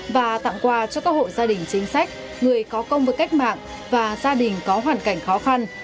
và tặng quà cho các hộ gia đình chính sách người có công với cách mạng và gia đình có hoàn cảnh khó khăn